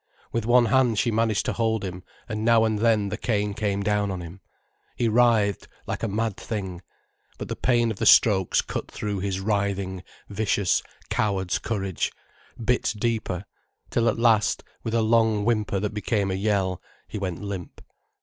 With one hand she managed to hold him, and now and then the cane came down on him. He writhed, like a mad thing. But the pain of the strokes cut through his writhing, vicious, coward's courage, bit deeper, till at last, with a long whimper that became a yell, he went limp.